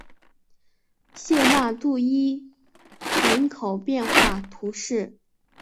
谢讷杜伊人口变化图示